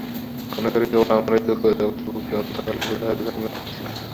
মনে করি কেবল আমারই দুঃখ জগতের বুকে অনন্তকালের বোঝা হয়ে হয়ে জমে উঠছে।